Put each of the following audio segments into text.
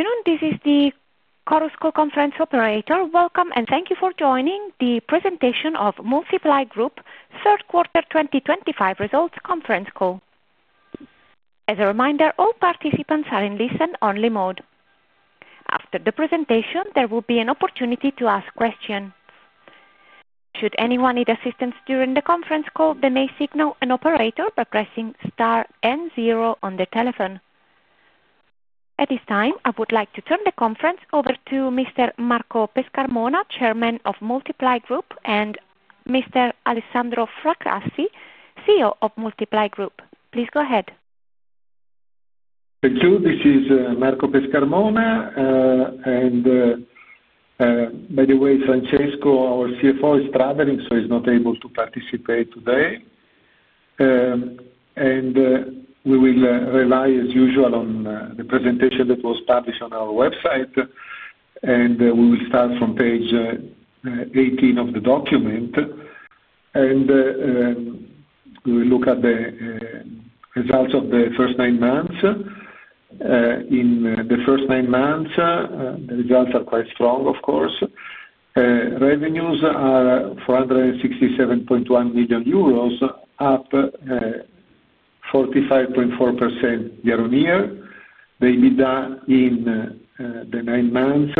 Assuming this is the Caruso Conference Operator, welcome and thank you for joining the presentation of Moltiply Group, third quarter 2025 results conference call. As a reminder, all participants are in listen-only mode. After the presentation, there will be an opportunity to ask questions. Should anyone need assistance during the conference call, they may signal an operator by pressing star and zero on the telephone. At this time, I would like to turn the conference over to Mr. Marco Pescarmona, Chairman of Moltiply Group, and Mr. Alessandro Fracassi, CEO of Moltiply Group. Please go ahead. Thank you. This is Marco Pescarmona. By the way, Francesco, our CFO, is traveling, so he is not able to participate today. We will rely, as usual, on the presentation that was published on our website. We will start from page 18 of the document. We will look at the results of the first nine months. In the first nine months, the results are quite strong, of course. Revenues are 467.1 million euros, up 45.4% year-on-year. The EBITDA in the nine months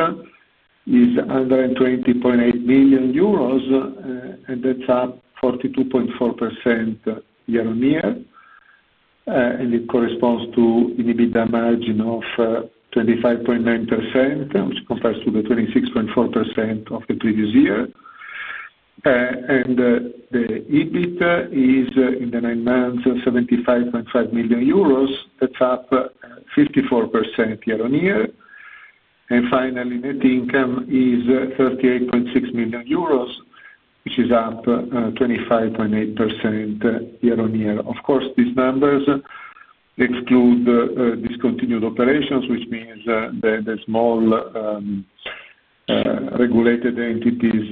is 120.8 million euros, and that is up 42.4% year-on-year. It corresponds to an EBITDA margin of 25.9%, which compares to the 26.4% of the previous year. The EBIT is, in the nine months, 75.5 million euros. That is up 54% year-on-year. Finally, net income is 38.6 million euros, which is up 25.8% year-on-year. Of course, these numbers exclude discontinued operations, which means that the small regulated entities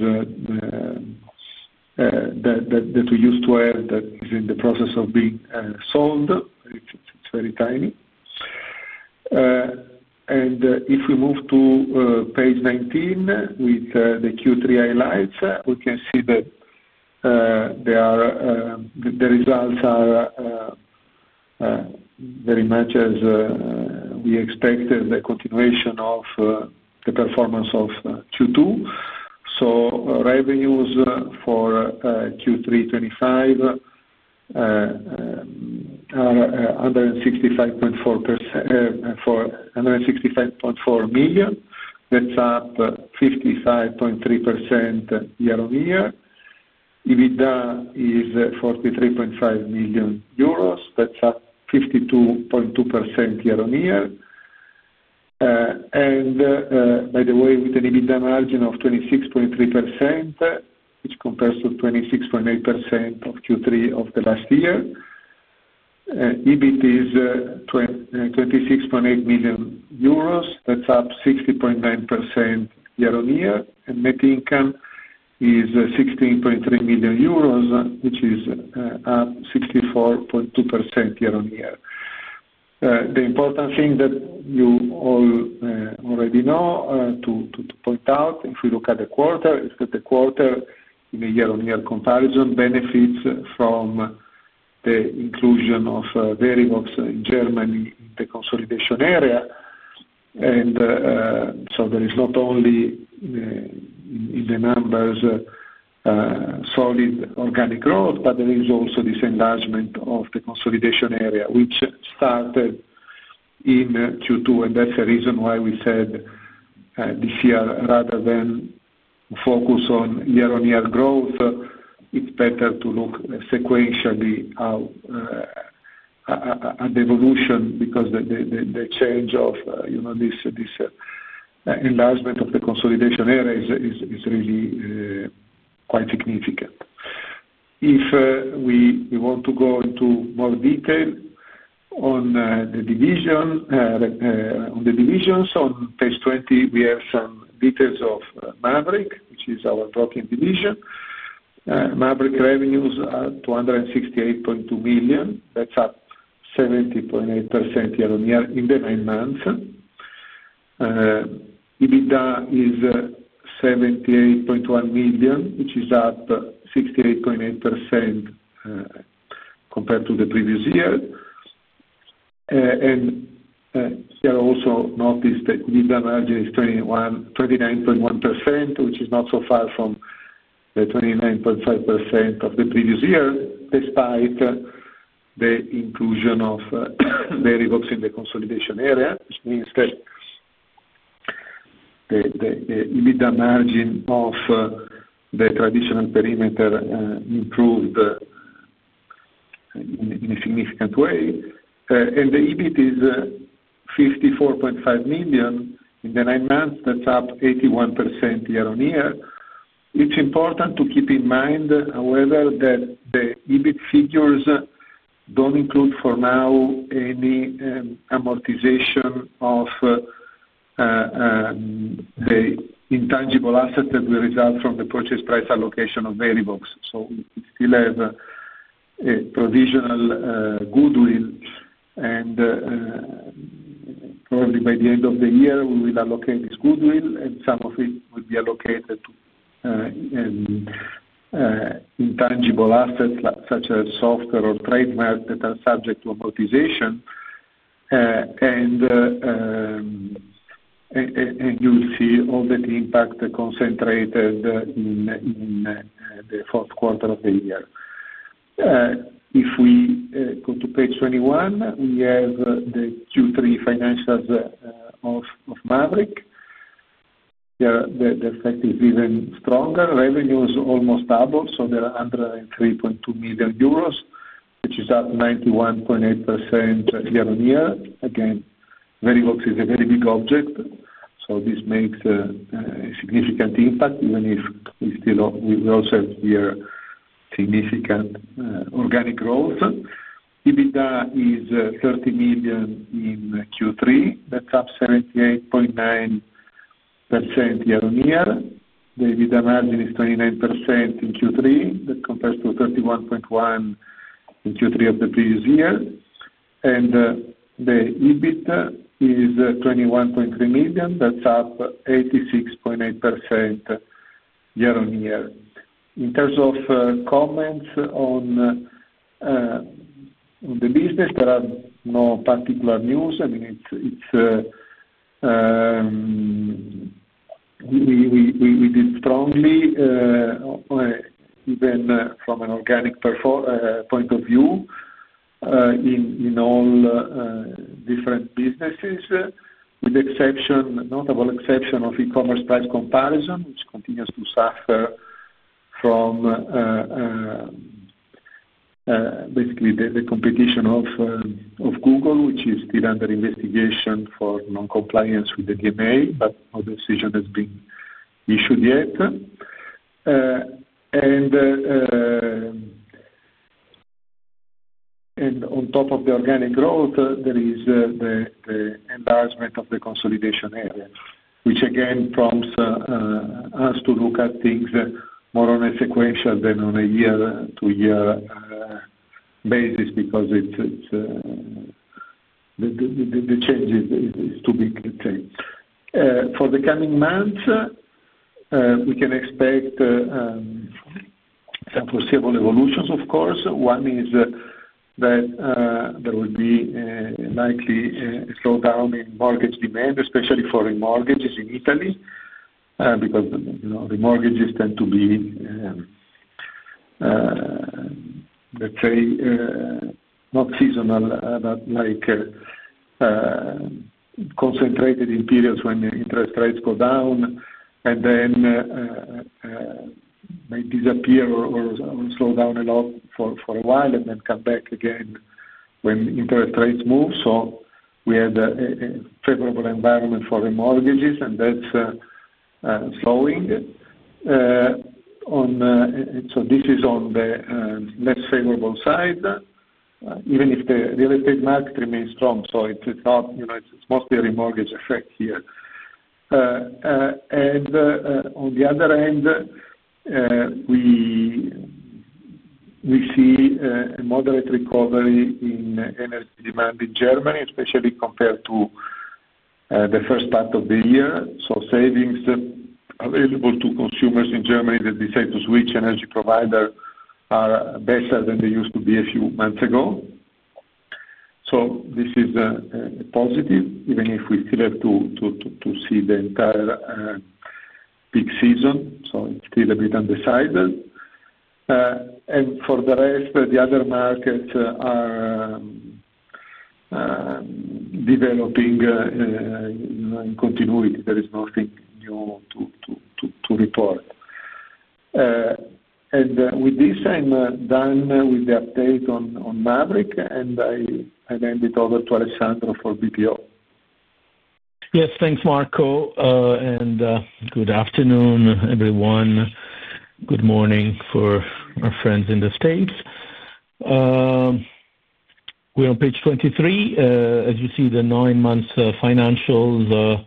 that we used to have that are in the process of being sold, it's very tiny. If we move to page 19 with the Q3 highlights, we can see that the results are very much as we expected, the continuation of the performance of Q2. Revenues for Q3 2025 are 165.4 million. That's up 55.3% year-on-year. EBITDA is 43.5 million euros. That's up 52.2% year-on-year. By the way, with an EBITDA margin of 26.3%, which compares to 26.8% of Q3 of the last year. EBIT is 26.8 million euros. That's up 60.9% year-on-year. Net income is 16.3 million euros, which is up 64.2% year-on-year. The important thing that you all already know, to point out, if we look at the quarter, is that the quarter, in a year-on-year comparison, benefits from the inclusion of Verivox in Germany in the consolidation area. There is not only, in the numbers, solid organic growth, but there is also this enlargement of the consolidation area, which started in Q2. That is the reason why we said this year, rather than focus on year-on-year growth, it is better to look sequentially at the evolution because the change of this enlargement of the consolidation area is really quite significant. If we want to go into more detail on the divisions, on page 20, we have some details of Mavriq, which is our broking division. Mavriq revenues are EUR 268.2 million. That is up 70.8% year-on-year in the nine months. EBITDA is 78.1 million, which is up 68.8% compared to the previous year. Here also, notice that EBITDA margin is 29.1%, which is not so far from the 29.5% of the previous year, despite the inclusion of Verivox in the consolidation area, which means that the EBITDA margin of the traditional perimeter improved in a significant way. The EBIT is 54.5 million in the nine months. That's up 81% year-on-year. It's important to keep in mind, however, that the EBIT figures don't include for now any amortization of the intangible assets that will result from the purchase price allocation of Verivox. We still have provisional goodwill. Probably by the end of the year, we will allocate this goodwill, and some of it will be allocated to intangible assets such as software or trademarks that are subject to amortization. You will see all that impact concentrated in the fourth quarter of the year. If we go to page 21, we have the Q3 financials of Mavriq. The effect is even stronger. Revenues almost doubled, so they are 103.2 million euros, which is up 91.8% year-on-year. Again, Verivox is a very big object. This makes a significant impact, even if we still will also have here significant organic growth. EBITDA is 30 million in Q3. That is up 78.9% year-on-year. The EBITDA margin is 29% in Q3. That compares to 31.1% in Q3 of the previous year. The EBIT is 21.3 million. That is up 86.8% year-on-year. In terms of comments on the business, there are no particular news. I mean, we did strongly, even from an organic point of view, in all different businesses, with the exception, notable exception of e-commerce price comparison, which continues to suffer from basically the competition of Google, which is still under investigation for non-compliance with the DMA. No decision has been issued yet. On top of the organic growth, there is the enlargement of the consolidation area, which again prompts us to look at things more or less sequential than on a year-to-year basis because the change is too big to change. For the coming months, we can expect some foreseeable evolutions, of course. One is that there will be likely a slowdown in mortgage demand, especially foreign mortgages in Italy, because the mortgages tend to be, let's say, not seasonal, but concentrated in periods when interest rates go down and then may disappear or slow down a lot for a while and then come back again when interest rates move. We had a favorable environment for remortgages, and that's slowing. This is on the less favorable side, even if the real estate market remains strong. It's mostly a remortgage effect here. On the other end, we see a moderate recovery in energy demand in Germany, especially compared to the first part of the year. Savings available to consumers in Germany that decide to switch energy provider are better than they used to be a few months ago. This is positive, even if we still have to see the entire peak season. It is still a bit undecided. For the rest, the other markets are developing in continuity. There is nothing new to report. With this, I am done with the update on Mavriq, and I hand it over to Alessandro for BPO. Yes, thanks, Marco. Good afternoon, everyone. Good morning for our friends in the States. We're on page 23. As you see, the nine-month financials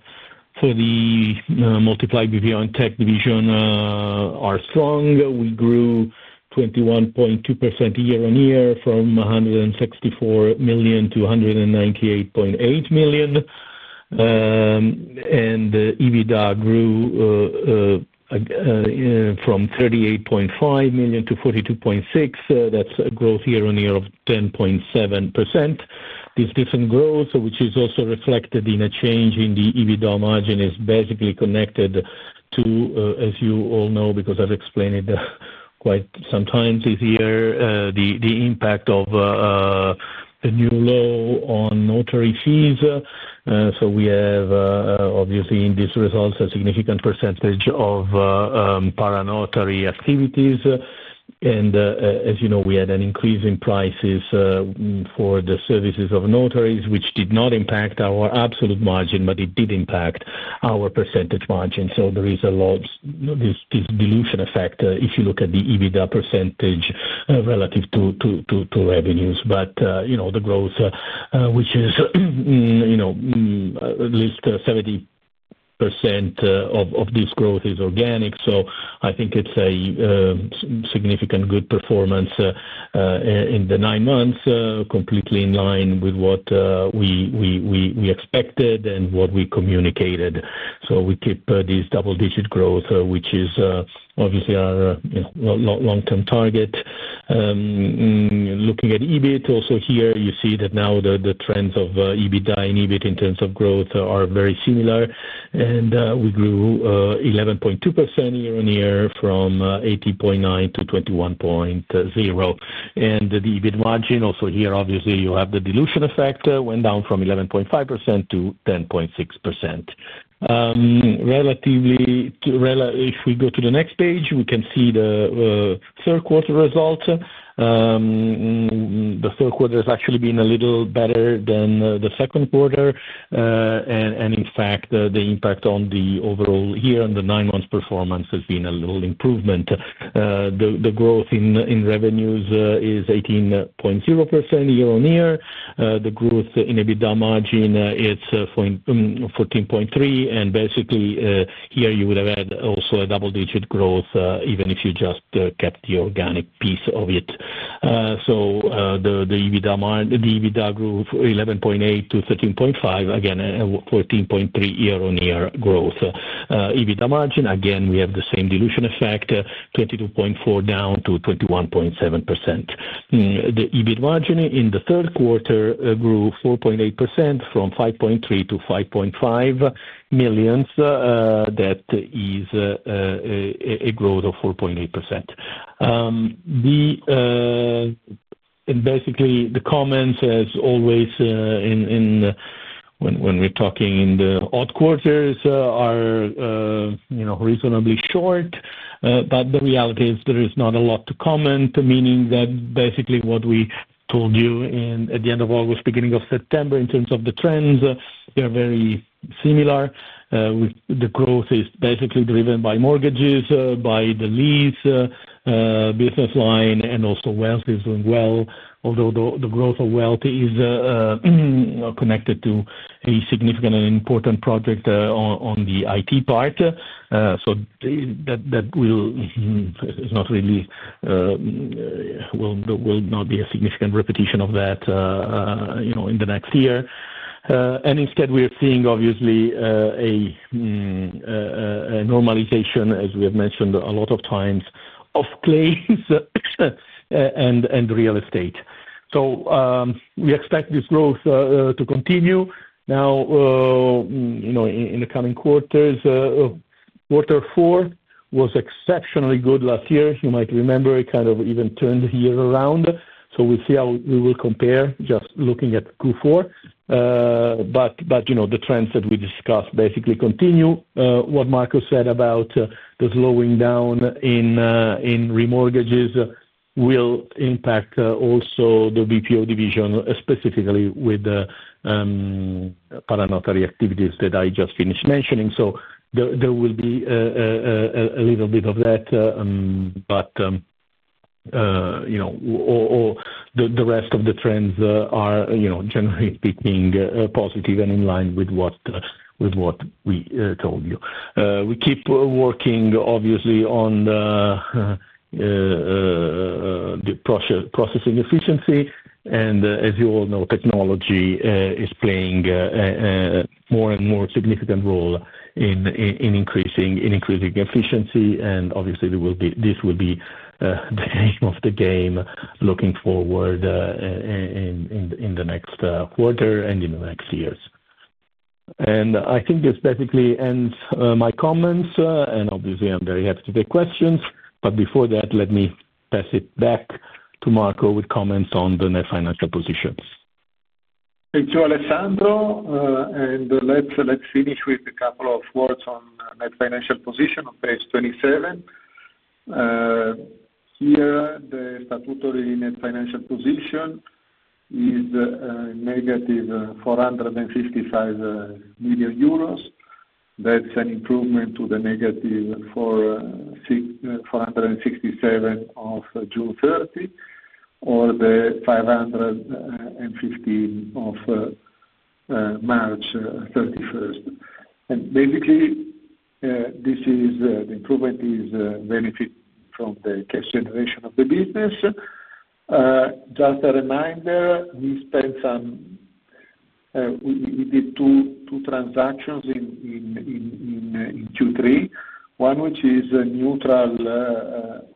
for the Moltiply Group on Tech division are strong. We grew 21.2% year-on-year from 164 million-198.8 million. EBITDA grew from 38.5 million-42.6 million. That's a growth year-on-year of 10.7%. This different growth, which is also reflected in a change in the EBITDA margin, is basically connected to, as you all know, because I've explained it quite sometimes this year, the impact of the new law on notary fees. We have, obviously, in these results, a significant percentage of paranotary activities. As you know, we had an increase in prices for the services of notaries, which did not impact our absolute margin, but it did impact our percentage margin. There is a lot of this dilution effect if you look at the EBITDA percentage relative to revenues. The growth, which is at least 70% of this growth, is organic. I think it is a significant good performance in the nine months, completely in line with what we expected and what we communicated. We keep this double-digit growth, which is obviously our long-term target. Looking at EBIT, also here, you see that now the trends of EBITDA and EBIT in terms of growth are very similar. We grew 11.2% year-on-year from 18.9 million-21.0 million. The EBIT margin also here, obviously, you have the dilution effect, went down from 11.5%-10.6%. If we go to the next page, we can see the third quarter results. The third quarter has actually been a little better than the second quarter. In fact, the impact on the overall year and the nine-month performance has been a little improvement. The growth in revenues is 18.0% year-on-year. The growth in EBITDA margin, it's 14.3%. Basically, here you would have had also a double-digit growth, even if you just kept the organic piece of it. The EBITDA grew from 11.8 million-13.5 million, again, a 14.3% year-on-year growth. EBITDA margin, again, we have the same dilution effect, 22.4% down to 21.7%. The EBITDA margin in the third quarter grew 4.8% from 5.3 million-5.5 million. That is a growth of 4.8%. Basically, the comments, as always, when we're talking in the odd quarters, are reasonably short. The reality is there is not a lot to comment, meaning that basically what we told you at the end of August, beginning of September, in terms of the trends, they're very similar. The growth is basically driven by mortgages, by the lease business line, and also wealth is doing well, although the growth of wealth is connected to a significant and important project on the IT part. That will not really be a significant repetition of that in the next year. We are seeing, obviously, a normalization, as we have mentioned a lot of times, of claims and real estate. We expect this growth to continue. Now, in the coming quarters, quarter four was exceptionally good last year. You might remember it kind of even turned the year around. We will see how we will compare just looking at Q4. The trends that we discussed basically continue. What Marco said about the slowing down in remortgages will impact also the BPO division, specifically with the paranotary activities that I just finished mentioning. There will be a little bit of that, but the rest of the trends are, generally speaking, positive and in line with what we told you. We keep working, obviously, on the processing efficiency. As you all know, technology is playing a more and more significant role in increasing efficiency. Obviously, this will be the aim of the game looking forward in the next quarter and in the next years. I think this basically ends my comments. Obviously, I'm very happy to take questions. Before that, let me pass it back to Marco with comments on the net financial positions. Thank you, Alessandro. Let's finish with a couple of words on net financial position on page 27. Here, the statutory net financial position is -465 million euros. That is an improvement to the -467 million of June 30 or the 550 million of March 31st. Basically, this improvement is benefit from the cash generation of the business. Just a reminder, we spent some, we did two transactions in Q3, one which is neutral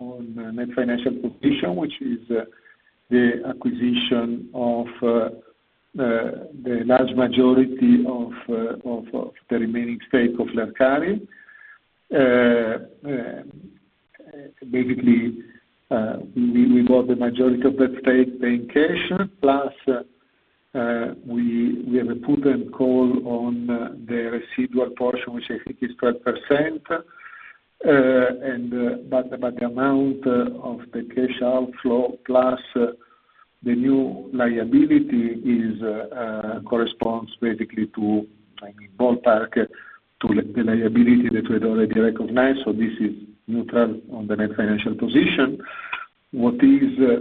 on net financial position, which is the acquisition of the large majority of the remaining stake of Lercarin. Basically, we bought the majority of that stake paying cash, plus we have a put and call on the residual portion, which I think is 12%. The amount of the cash outflow plus the new liability corresponds basically to, I mean, ballpark to the liability that we had already recognized. This is neutral on the net financial position. What is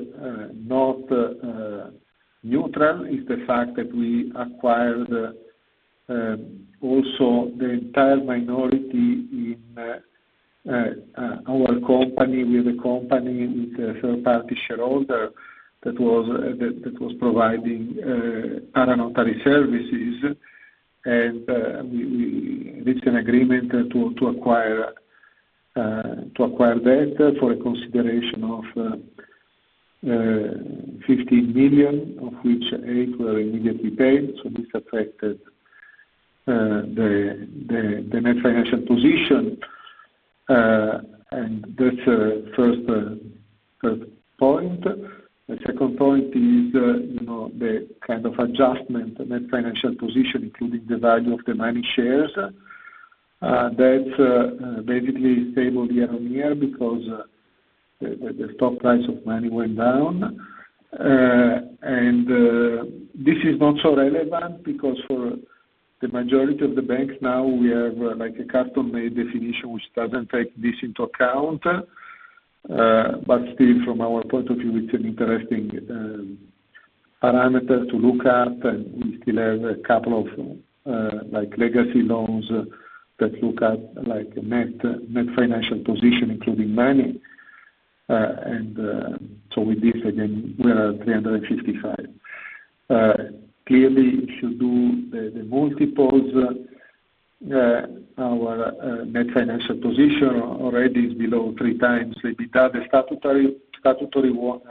not neutral is the fact that we acquired also the entire minority in our company. We have a company with a third-party shareholder that was providing paranotary services. We reached an agreement to acquire that for a consideration of 15 million, of which 8 million were immediately paid. This affected the net financial position. That is the first point. The second point is the kind of adjustment, net financial position, including the value of the Money shares. That is basically stable year-on-year because the stock price of Money went down. This is not so relevant because for the majority of the banks now, we have a custom-made definition, which does not take this into account. Still, from our point of view, it is an interesting parameter to look at. We still have a couple of legacy loans that look at net financial position, including Money. With this, again, we are at 355 million. Clearly, if you do the multiples, our net financial position already is below three times EBITDA, the statutory one.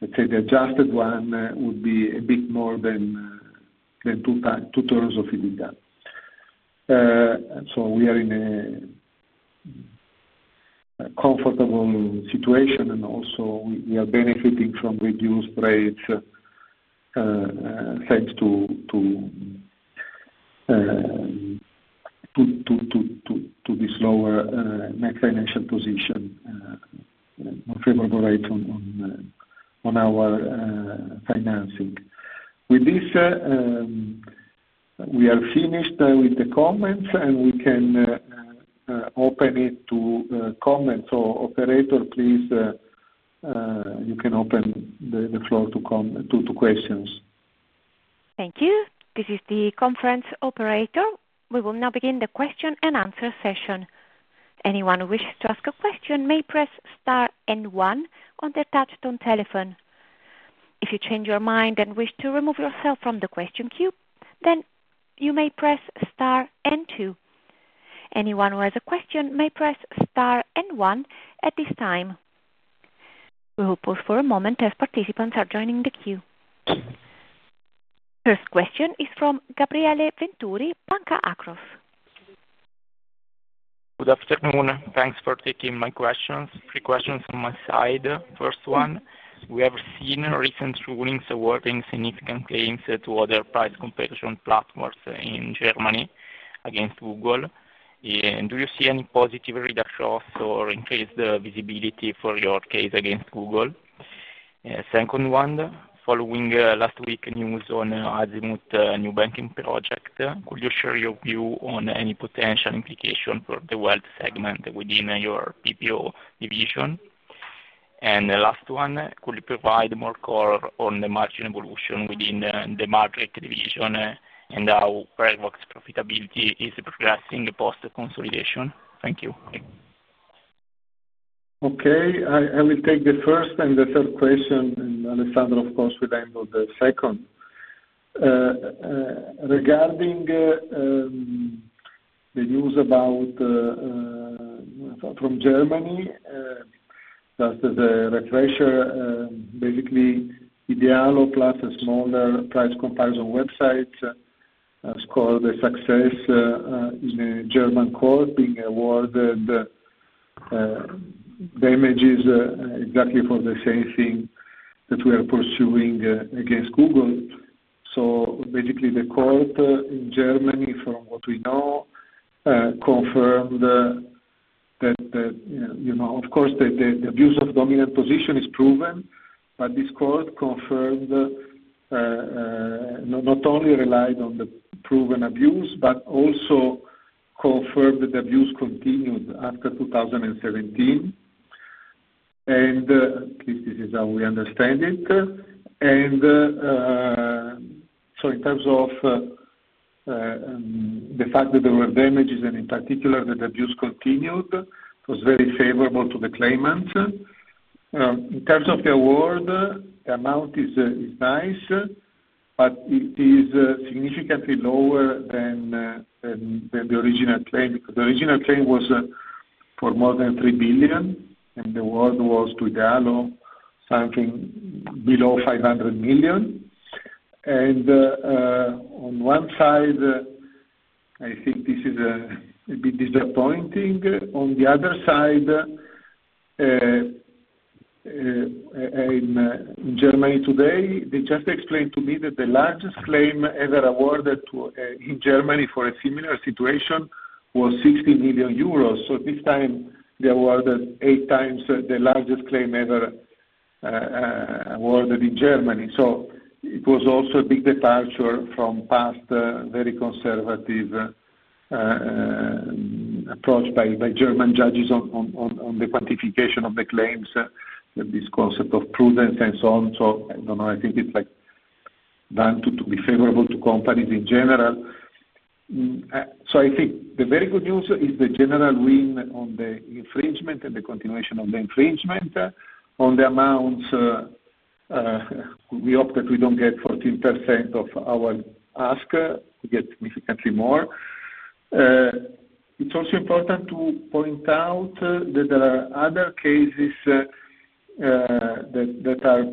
The adjusted one would be a bit more than two times EBITDA. We are in a comfortable situation. We are also benefiting from reduced rates thanks to this lower net financial position, more favorable rates on our financing. With this, we are finished with the comments, and we can open it to comments. Operator, please, you can open the floor to questions. Thank you. This is the conference operator. We will now begin the question and answer session. Anyone who wishes to ask a question may press star and one on their touchstone telephone. If you change your mind and wish to remove yourself from the question queue, then you may press star and two. Anyone who has a question may press star and one at this time. We will pause for a moment as participants are joining the queue. First question is from Gabriele Venturi, Banca Akros. Good afternoon. Thanks for taking my questions. Three questions on my side. First one, we have seen recent rulings awarding significant claims to other price comparison platforms in Germany against Google. Do you see any positive reductions or increased visibility for your case against Google? Second one, following last week's news on Azimut New Banking Project, could you share your view on any potential implication for the wealth segment within your BPO division? And last one, could you provide more color on the margin evolution within the Mavriq Division and how Fairbox profitability is progressing post-consolidation? Thank you. Okay. I will take the first and the third question. And Alessandro, of course, will handle the second. Regarding the news from Germany, just as a refresher, basically, idealo plus a smaller price comparison website has scored a success in a German court being awarded. The image is exactly for the same thing that we are pursuing against Google. So basically, the court in Germany, from what we know, confirmed that, of course, the abuse of dominant position is proven. This court confirmed not only relied on the proven abuse, but also confirmed that the abuse continued after 2017. At least this is how we understand it. In terms of the fact that there were damages and in particular that the abuse continued, it was very favorable to the claimants. In terms of the award, the amount is nice, but it is significantly lower than the original claim. The original claim was for more than 3 billion, and the award was to idealo, something below EUR 500 million. I think this is a bit disappointing. On the other side, in Germany today, they just explained to me that the largest claim ever awarded in Germany for a similar situation was 60 million euros. This time, they awarded eight times the largest claim ever awarded in Germany. It was also a big departure from past very conservative approach by German judges on the quantification of the claims, this concept of prudence and so on. I do not know. I think it is done to be favorable to companies in general. I think the very good news is the general win on the infringement and the continuation of the infringement. On the amounts, we hope that we do not get 14% of our ask. We get significantly more. It is also important to point out that there are other cases that are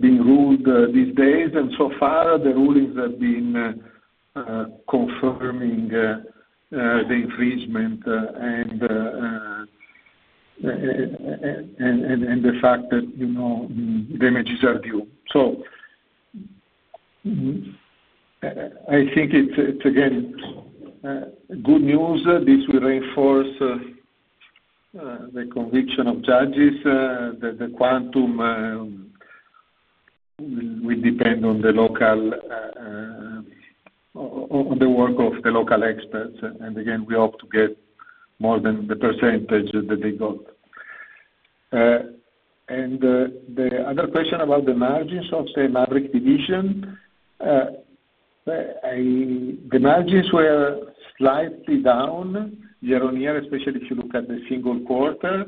being ruled these days. So far, the rulings have been confirming the infringement and the fact that damages are due. I think it is, again, good news. This will reinforce the conviction of judges that the quantum will depend on the work of the local experts. Again, we hope to get more than the percentage that they got. The other question about the margins of the Mavriq Division, the margins were slightly down year-on-year, especially if you look at the single quarter.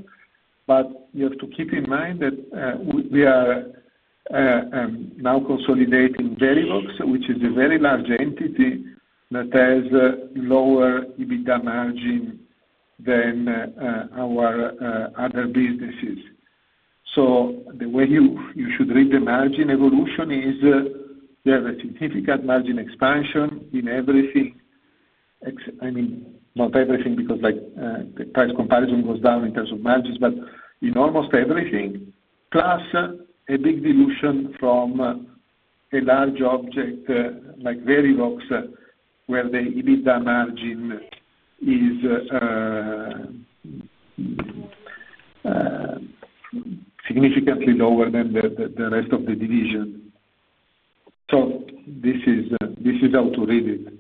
You have to keep in mind that we are now consolidating Fairbox, which is a very large entity that has lower EBITDA margin than our other businesses. The way you should read the margin evolution is there is a significant margin expansion in everything. I mean, not everything because the price comparison goes down in terms of margins, but in almost everything, plus a big dilution from a large object like Fairbox, where the EBITDA margin is significantly lower than the rest of the division. This is how to read it.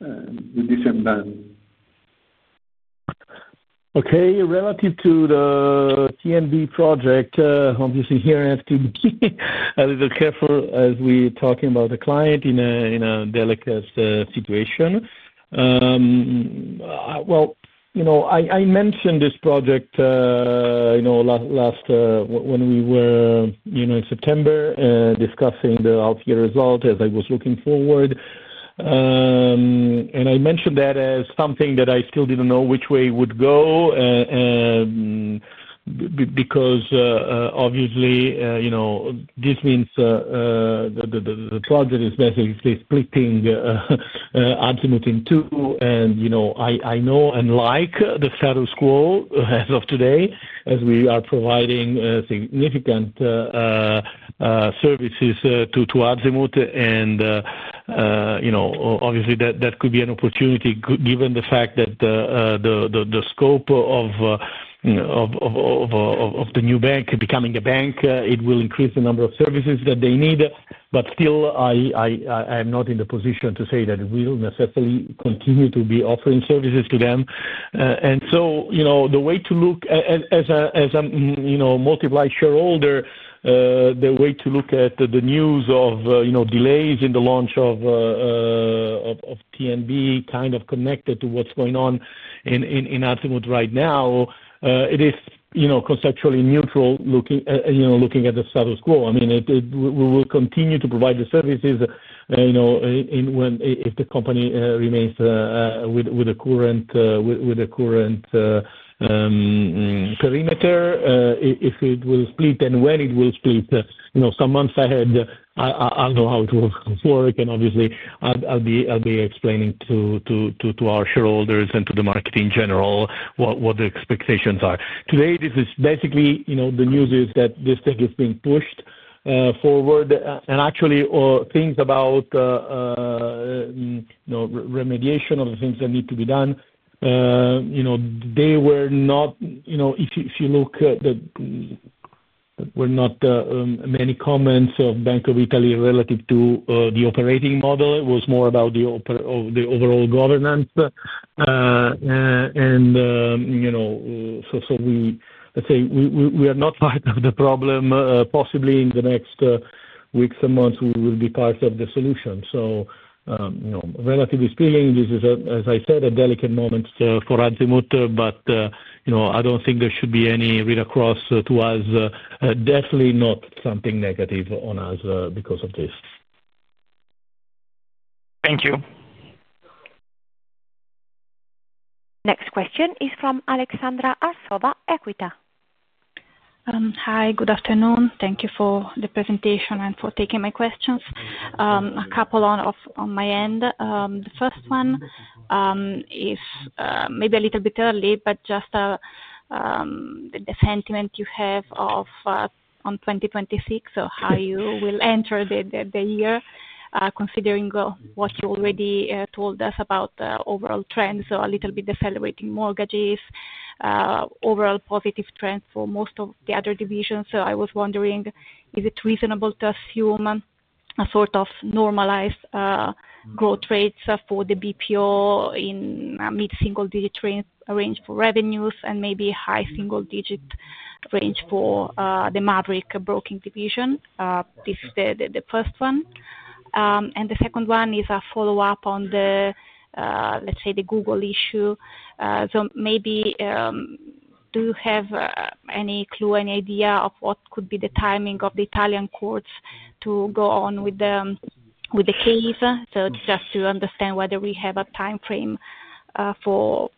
With this and done. Okay. Relative to the TNB project, obviously, here I have to be a little careful as we're talking about the client in a delicate situation. I mentioned this project last when we were in September discussing the outfit result as I was looking forward. I mentioned that as something that I still didn't know which way it would go because, obviously, this means the project is basically splitting Azimut in two. I know and like the status quo as of today as we are providing significant services to Azimut. Obviously, that could be an opportunity given the fact that the scope of the new bank becoming a bank, it will increase the number of services that they need. Still, I am not in the position to say that it will necessarily continue to be offering services to them. The way to look as a Moltiply shareholder, the way to look at the news of delays in the launch of TNB kind of connected to what's going on in Azimut right now, it is conceptually neutral looking at the status quo. I mean, we will continue to provide the services if the company remains with a current perimeter, if it will split, and when it will split. Some months ahead, I'll know how it will work. Obviously, I'll be explaining to our shareholders and to the market in general what the expectations are. Today, basically the news is that this thing is being pushed forward. Actually, things about remediation of the things that need to be done, they were not, if you look, there were not many comments of Bank of Italy relative to the operating model. It was more about the overall governance. Let's say we are not part of the problem. Possibly in the next weeks and months, we will be part of the solution. Relatively speaking, this is, as I said, a delicate moment for Azimut. I do not think there should be any read across to us. Definitely not something negative on us because of this. Thank you. Next question is from Aleksandra Arsova, Equita. Hi. Good afternoon. Thank you for the presentation and for taking my questions. A couple on my end. The first one is maybe a little bit early, but just the sentiment you have on 2026 or how you will enter the year, considering what you already told us about overall trends. A little bit accelerating mortgages, overall positive trends for most of the other divisions. I was wondering, is it reasonable to assume a sort of normalized growth rates for the BPO in mid-single-digit range for revenues and maybe high single-digit range for the Mavriq Broking Division? This is the first one. The second one is a follow-up on, let's say, the Google issue. Maybe do you have any clue, any idea of what could be the timing of the Italian courts to go on with the case? It is just to understand whether we have a timeframe for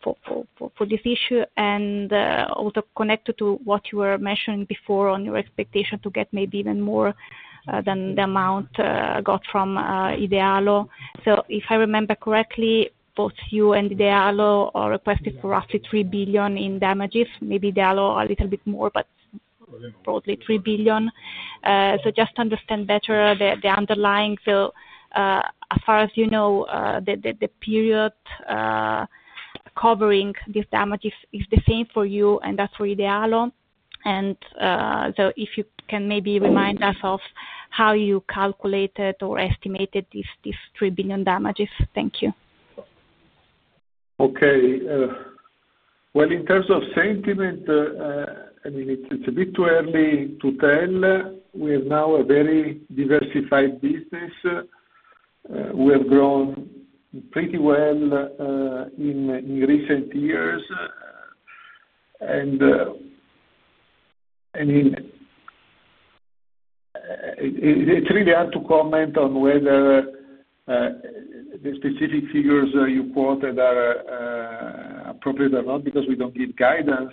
this issue and also connected to what you were mentioning before on your expectation to get maybe even more than the amount got from idealo. If I remember correctly, both you and idealo are requesting for roughly 3 billion in damages. Maybe idealo a little bit more, but probably 3 billion. Just to understand better the underlying. As far as you know, the period covering these damages is the same for you and that is for idealo. If you can maybe remind us of how you calculated or estimated these 3 billion damages. Thank you. Okay. In terms of sentiment, I mean, it's a bit too early to tell. We are now a very diversified business. We have grown pretty well in recent years. I mean, it's really hard to comment on whether the specific figures you quoted are appropriate or not because we don't give guidance.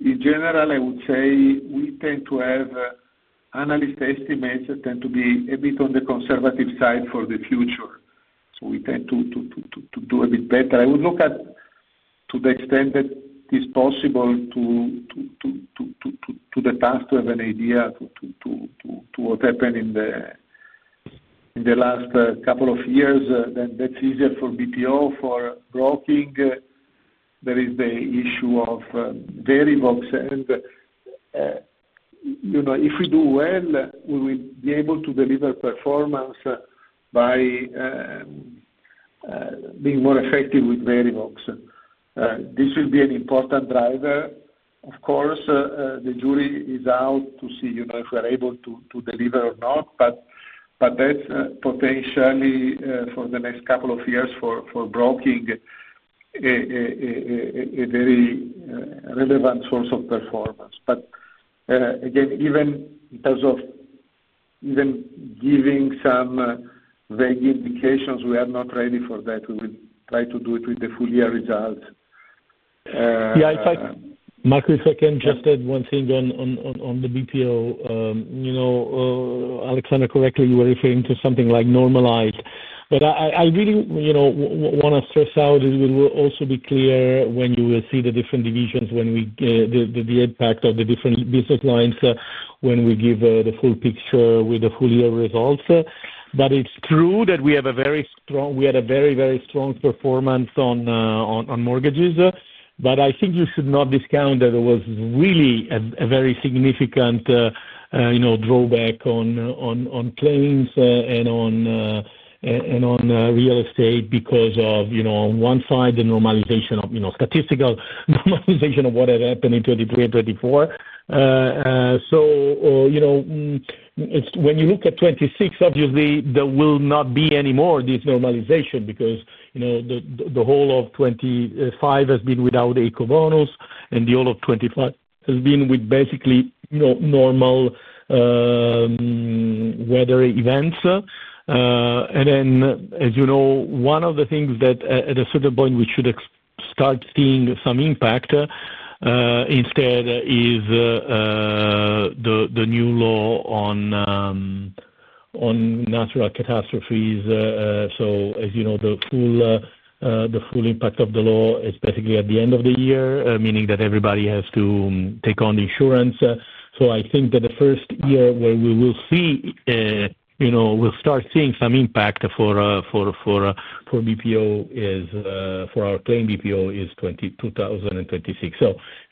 In general, I would say we tend to have analyst estimates that tend to be a bit on the conservative side for the future. We tend to do a bit better. I would look at, to the extent that it's possible, to the past to have an idea of what happened in the last couple of years. That's easier for BPO, for broking. There is the issue of Fairbox. If we do well, we will be able to deliver performance by being more effective with Fairbox. This will be an important driver. Of course, the jury is out to see if we are able to deliver or not. That is potentially for the next couple of years for broking, a very relevant source of performance. Again, even in terms of even giving some vague indications, we are not ready for that. We will try to do it with the full year results. Yeah. Marco, if I can just add one thing on the BPO. Aleksandra, correctly, you were referring to something like normalized. I really want to stress out it will also be clear when you will see the different divisions, the impact of the different business lines when we give the full picture with the full year results. It is true that we have a very strong, we had a very, very strong performance on mortgages. I think you should not discount that there was really a very significant drawback on claims and on real estate because of, on one side, the normalization, the statistical normalization of what had happened in 2023 and 2024. When you look at 2026, obviously, there will not be any more of this normalization because the whole of 2025 has been without a co-bonus, and the whole of 2025 has been with basically normal weather events. As you know, one of the things that at a certain point we should start seeing some impact instead is the new law on natural catastrophes. As you know, the full impact of the law is basically at the end of the year, meaning that everybody has to take on the insurance. I think that the first year where we will start seeing some impact for BPO, for our claim BPO, is 2026.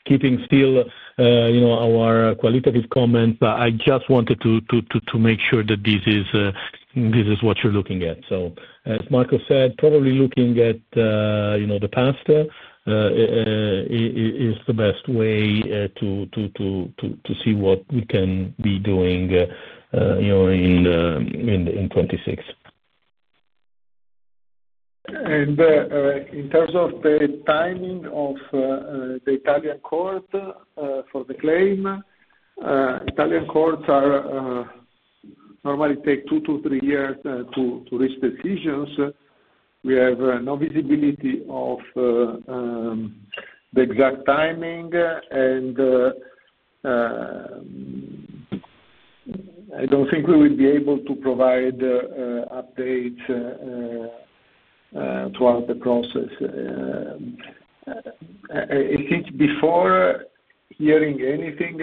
Keeping still our qualitative comments, I just wanted to make sure that this is what you're looking at. As Marco said, probably looking at the past is the best way to see what we can be doing in 2026. In terms of the timing of the Italian court for the claim, Italian courts normally take two to three years to reach decisions. We have no visibility of the exact timing. I do not think we will be able to provide updates throughout the process. I think before hearing anything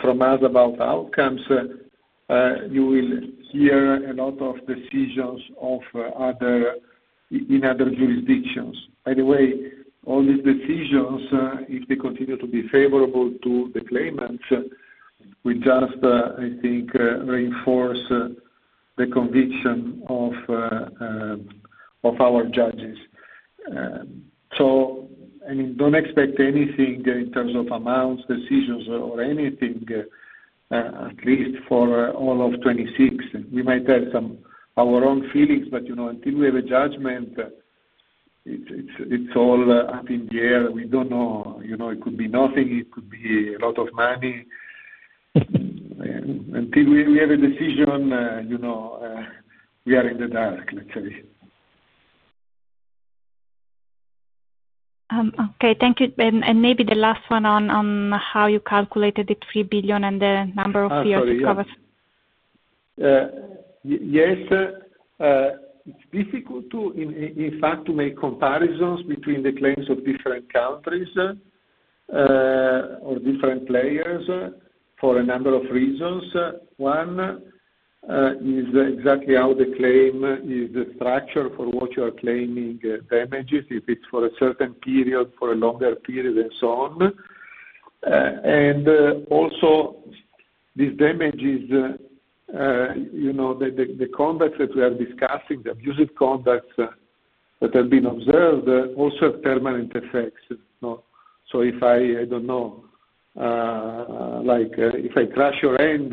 from us about outcomes, you will hear a lot of decisions in other jurisdictions. Anyway, all these decisions, if they continue to be favorable to the claimants, will just, I think, reinforce the conviction of our judges. I mean, do not expect anything in terms of amounts, decisions, or anything, at least for all of 2026. We might have some of our own feelings, but until we have a judgment, it is all up in the air. We do not know. It could be nothing. It could be a lot of money. Until we have a decision, we are in the dark, let's say. Okay. Thank you. Maybe the last one on how you calculated the 3 billion and the number of years it covers. Yes. It's difficult to, in fact, to make comparisons between the claims of different countries or different players for a number of reasons. One is exactly how the claim is structured for what you are claiming damages, if it's for a certain period, for a longer period, and so on. Also, these damages, the conducts that we are discussing, the abusive conducts that have been observed, also have permanent effects. If I don't know, if I crush your hand,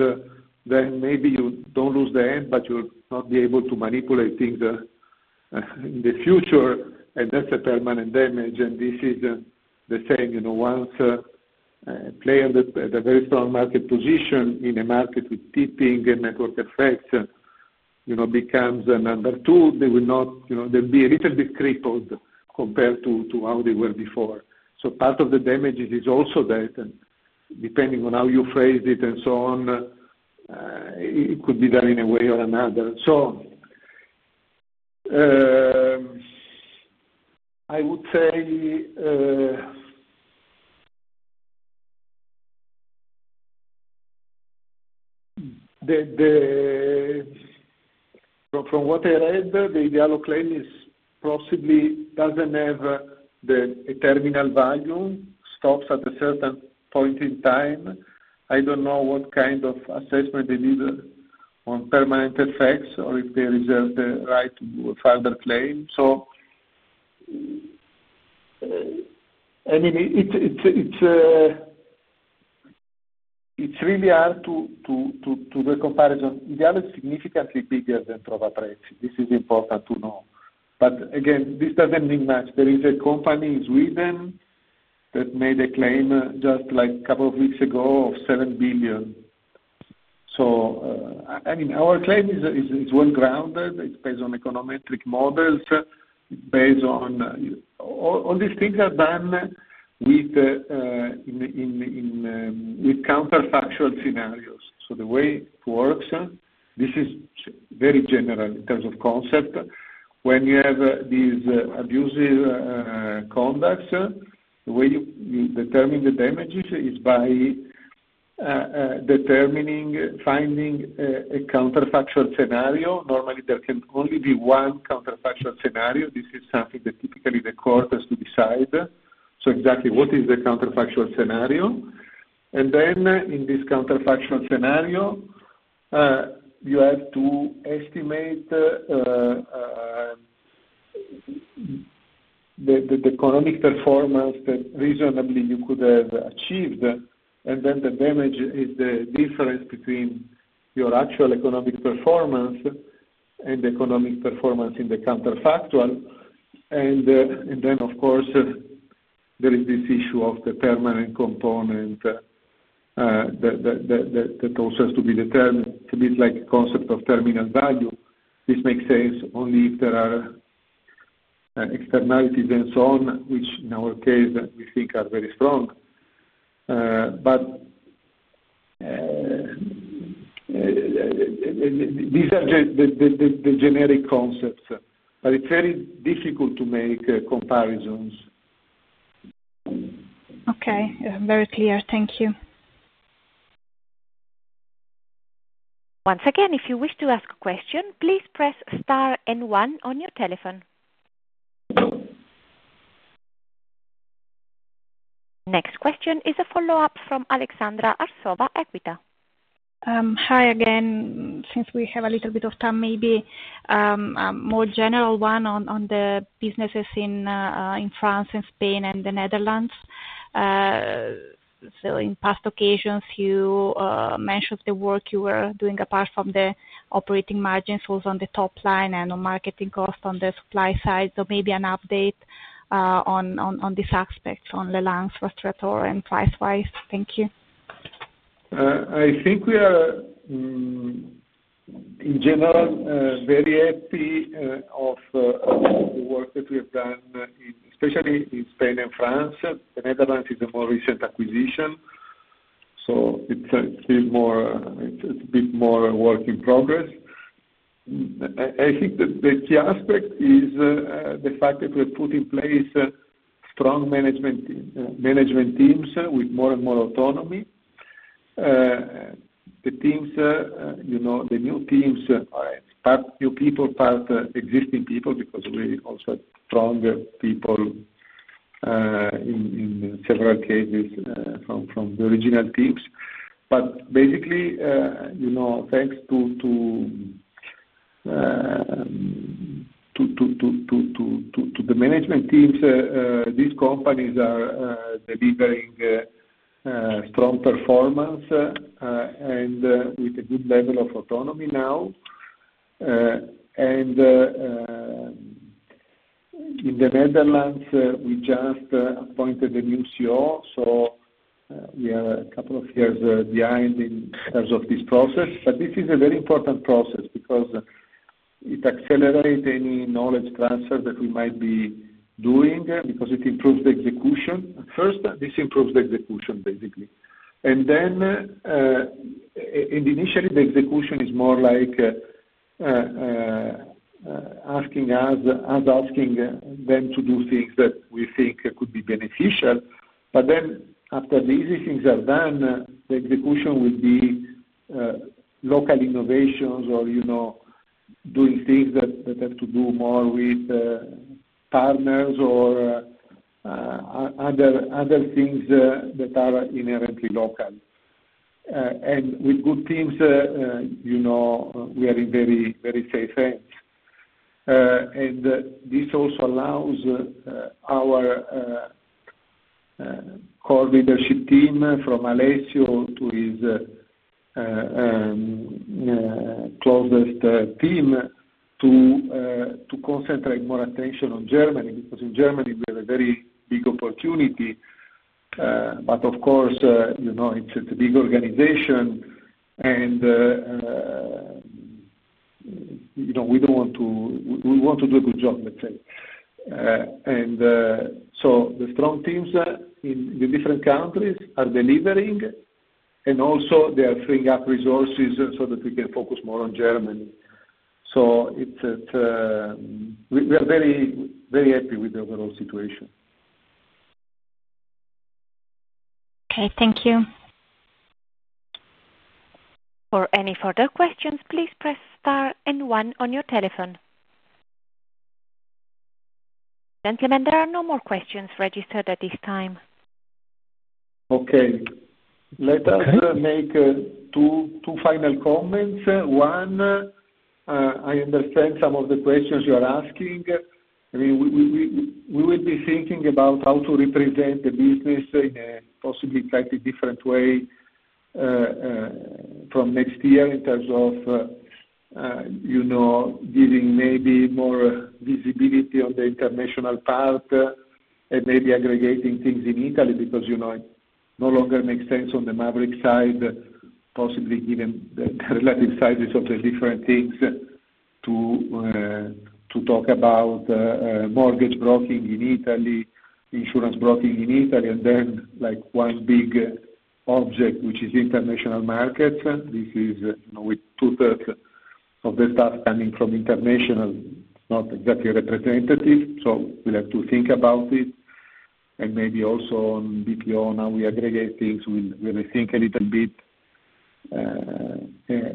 then maybe you don't lose the hand, but you'll not be able to manipulate things in the future. That's a permanent damage. This is the same. Once a player at a very strong market position in a market with tipping and network effects becomes a number two, they will not be a little bit crippled compared to how they were before. Part of the damages is also that. Depending on how you phrase it and so on, it could be done in a way or another. I would say from what I read, the idealo claim possibly does not have a terminal value, stops at a certain point in time. I do not know what kind of assessment they did on permanent effects or if they reserved the right to do a further claim. I mean, it is really hard to do a comparison. idealo is significantly bigger than Trovaprezzi. This is important to know. Again, this does not mean much. There is a company in Sweden that made a claim just a couple of weeks ago of 7 billion. I mean, our claim is well grounded. It is based on econometric models. It is based on all these things that are done with counterfactual scenarios. The way it works, this is very general in terms of concept. When you have these abusive conducts, the way you determine the damages is by finding a counterfactual scenario. Normally, there can only be one counterfactual scenario. This is something that typically the court has to decide. Exactly what is the counterfactual scenario? In this counterfactual scenario, you have to estimate the economic performance that reasonably you could have achieved. The damage is the difference between your actual economic performance and the economic performance in the counterfactual. Of course, there is this issue of the permanent component that also has to be determined. It is a bit like a concept of terminal value. This makes sense only if there are externalities and so on, which in our case, we think are very strong. These are the generic concepts. It's very difficult to make comparisons. Okay. Very clear. Thank you. Once again, if you wish to ask a question, please press star and one on your telephone. Next question is a follow-up from Aleksandra Arsova, Equita. Hi again. Since we have a little bit of time, maybe a more general one on the businesses in France and Spain and the Netherlands. In past occasions, you mentioned the work you were doing apart from the operating margins, also on the top line and on marketing costs on the supply side. Maybe an update on these aspects on the lans Rastreator and Pricewise. Thank you. I think we are, in general, very happy of the work that we have done, especially in Spain and France. The Netherlands is a more recent acquisition. It is a bit more work in progress. I think the key aspect is the fact that we have put in place strong management teams with more and more autonomy. The new teams are part new people, part existing people because we also have strong people in several cases from the original teams. Basically, thanks to the management teams, these companies are delivering strong performance and with a good level of autonomy now. In the Netherlands, we just appointed a new CEO. We are a couple of years behind in terms of this process. This is a very important process because it accelerates any knowledge transfer that we might be doing because it improves the execution. First, this improves the execution, basically. Initially, the execution is more like us asking them to do things that we think could be beneficial. After these things are done, the execution will be local innovations or doing things that have to do more with partners or other things that are inherently local. With good teams, we are in very safe hands. This also allows our core leadership team from Alessio to his closest team to concentrate more attention on Germany because in Germany, we have a very big opportunity. Of course, it is a big organization. We want to do a good job, let's say. The strong teams in the different countries are delivering. Also, they are freeing up resources so that we can focus more on Germany. We are very happy with the overall situation. Okay. Thank you. For any further questions, please press star and one on your telephone. Gentlemen, there are no more questions registered at this time. Okay. Let us make two final comments. One, I understand some of the questions you are asking. I mean, we will be thinking about how to represent the business in a possibly slightly different way from next year in terms of giving maybe more visibility on the international part and maybe aggregating things in Italy because it no longer makes sense on the Mavriq side, possibly given the relative sizes of the different things to talk about mortgage broking in Italy, insurance broking in Italy. Then one big object, which is international markets. This is with two-thirds of the stuff coming from international, not exactly representative. We will have to think about it. Maybe also on BPO, now we aggregate things, we will think a little bit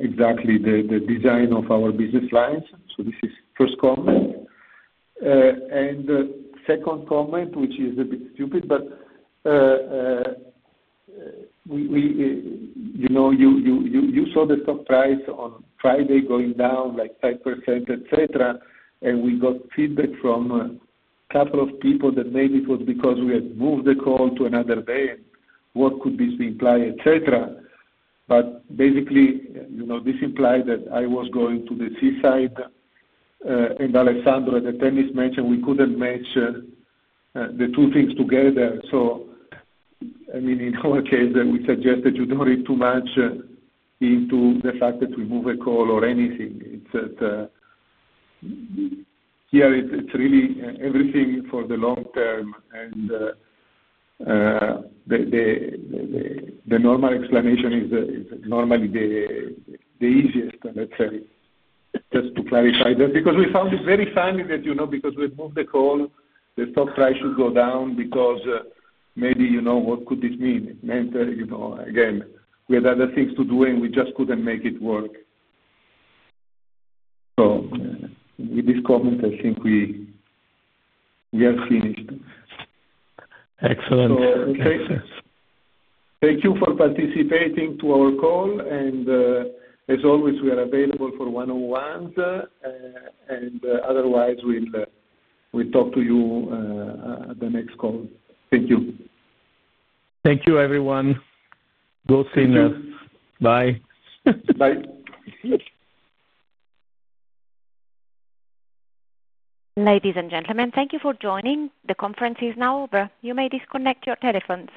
exactly the design of our business lines. This is the first comment. The second comment, which is a bit stupid, but you saw the stock price on Friday going down like 5%, etc. We got feedback from a couple of people that maybe it was because we had moved the call to another day. What could this imply, etc.? Basically, this implied that I was going to the seaside and Alessandro at the tennis match, and we could not match the two things together. I mean, in our case, we suggest you do not read too much into the fact that we move a call or anything. Here, it is really everything for the long term. The normal explanation is normally the easiest, let us say, just to clarify that because we found it very funny that because we had moved the call, the stock price should go down because maybe what could this mean? It meant, again, we had other things to do, and we just couldn't make it work. With this comment, I think we are finished. Excellent. Thank you for participating in our call. As always, we are available for one-on-ones. Otherwise, we will talk to you at the next call. Thank you. Thank you, everyone. Thank you. Good seeing you. Bye. Bye. Ladies and gentlemen, thank you for joining. The conference is now over. You may disconnect your telephones.